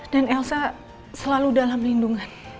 dan elsa selalu dalam lindungan